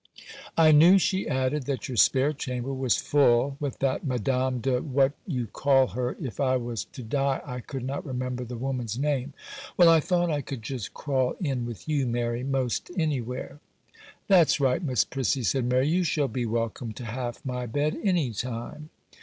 'I knew,' she added, 'that your spare chamber was full with that Madame de What you call her (if I was to die I could not remember the woman's name). Well, I thought I could just crawl in with you, Mary, most anywhere.' 'That's right, Miss Prissy,' said Mary, 'you shall be welcome to half my bed any time.